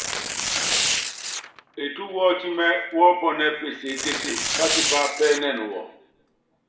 Etú wɔ́tímɛ wɔ́pɔnɛ́ɛ peseékése, pátipápɛ́nɛn wɔ.